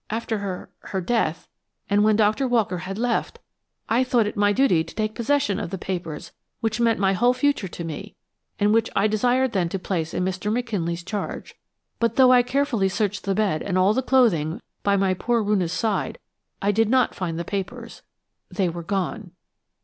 After her–her death, and when Dr. Walker had left, I thought it my duty to take possession of the papers which meant my whole future to me, and which I desired then to place in Mr. McKinley's charge. But, though I carefully searched the bed and all the clothing by my poor Roonah's side, I did not find the papers. They were gone."